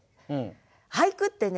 俳句ってね